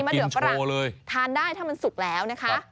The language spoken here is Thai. เดือฝรั่งทานได้ถ้ามันสุกแล้วนะคะ